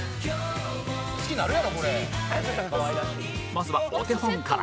まずはお手本から